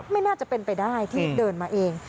ไม่น่าจะเป็นไปได้ที่เดินมาเอง